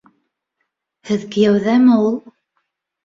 Һеҙ кейәүҙәме ул?